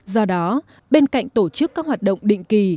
do đó bên cạnh tổ chức các hoạt động định kỳ